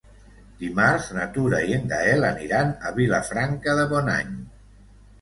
Dimarts na Tura i en Gaël aniran a Vilafranca de Bonany.